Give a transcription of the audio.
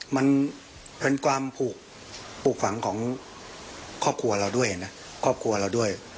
มันเป็นความผูกฝังของครอบครัวเราด้วยนะครอบครัวเราด้วย